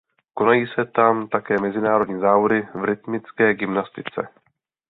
Konají se tam také mezinárodní závody v rytmické gymnastice.